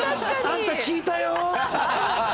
「あんた聞いたよ」。